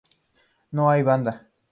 No hay banda.